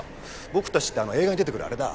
僕たちって映画に出てくるあれだ。